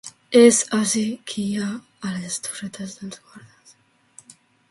És ací que hi ha les Torretes dels Guardes.